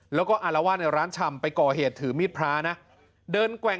แล้วก็อารวาสในร้านชำไปก่อเหตุถือมีดพระนะเดินแกว่ง